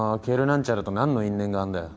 なんちゃらと何の因縁があんだよ？